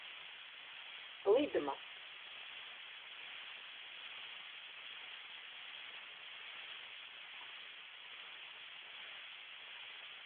Lidma